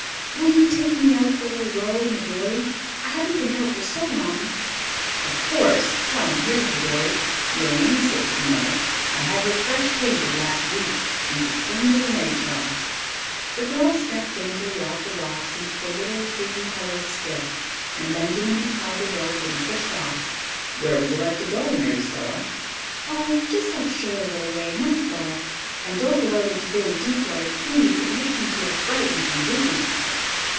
"Will you take me out for a little row in the dory? I haven't been out for so long." "Of course. Come here's the dory your namesake, you know. I had her fresh painted last week. She's as clean as an eggshell." The girl stepped daintily off the rocks into the little cream coloured skiff, and Benjamin untied the rope and pushed off. "Where would you like to go, Mary Stella?" "Oh, just upshore a little way not far. And don't go out into very deep water, please, it makes me feel frightened and dizzy."